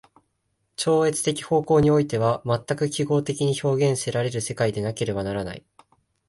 超越的方向においては全く記号的に表現せられる世界でなければならない。